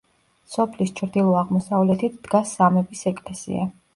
სოფლის ჩრდილო-აღმოსავლეთით დგას სამების ეკლესია.